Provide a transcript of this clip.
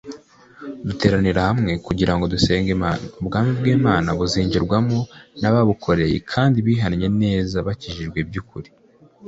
Duteranira hamwe kugira ngo dusenge Imana, Ubwami bw’Imana buzinjirwamo nabubukoreye kandi bihannye neza bakijijwe by’ukuri.